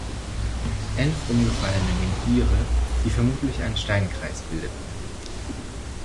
Elf umgefallene Menhire, die vermutlich einen Steinkreis bildeten.